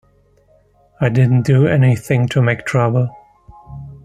I didn't do anything to make trouble.